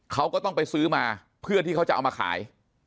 เขาก็ต้องไปซื้อมาเพื่อที่เขาจะเอามาขาย